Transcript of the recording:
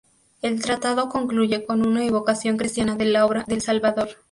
El tratado concluye con una evocación cristiana de la obra del Salvador.